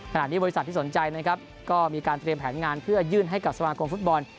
ขณะนี้บริษัทที่สนใจนะครับก็มีการเตรียมแผนงานเพื่อยื่นให้กับสมาคมฟุตบอล